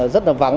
rất là vắng